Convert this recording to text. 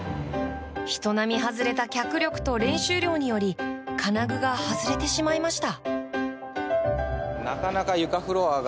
人並外れた脚力と練習量により金具が外れてしまいました。